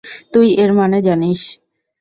তুই এর মানে জানিস।